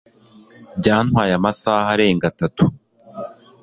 Byantwaye amasaha arenga atatu